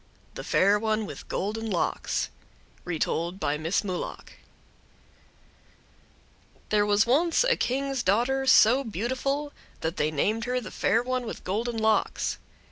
THE FAIR ONE WITH GOLDEN LOCKS Retold by Miss Mulock There was once a King's daughter so beautiful that they named her the Fair One with Golden Locks.